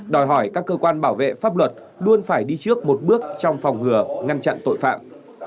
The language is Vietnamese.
đòi hỏi các cơ quan bảo vệ pháp luật luôn phải đi trước một bước trong phòng ngừa ngăn chặn tội phạm